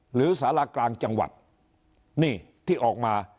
หรือสารกลางจังหวัดนี่ที่ออกมา